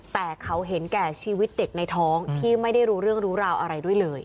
แต่เขาเห็นแก่ชีวิตเด็กในท้องที่ไม่ได้รู้เรื่องรู้ราวอะไรด้วยเลย